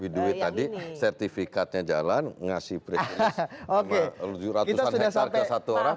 we do it tadi sertifikatnya jalan ngasih periksaan sama ratusan hektar ke satu orang